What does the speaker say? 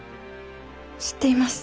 知っています。